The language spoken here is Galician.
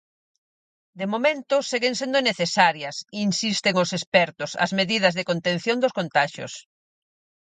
De momento, seguen sendo necesarias, insisten os expertos, as medidas de contención dos contaxios.